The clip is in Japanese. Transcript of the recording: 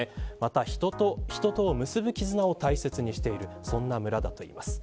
人と人とを結ぶ絆を大切にしている村だといいます。